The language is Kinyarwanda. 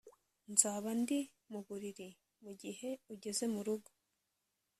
Nzaba ndi mu buriri mugihe ugeze murugo